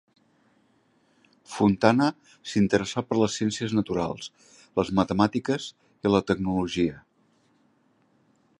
Fontana s’interessà per les ciències naturals, les matemàtiques, i la tecnologia.